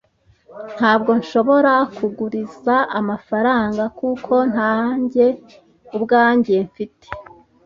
Ntabwo nshobora kuguriza amafaranga, kuko nta njye ubwanjye mfite.